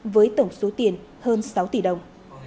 với tổng số tiền hơn sáu tỷ đồng